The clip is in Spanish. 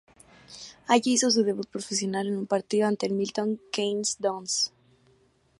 Allí hizo su debut profesional en un partido ante el Milton Keynes Dons.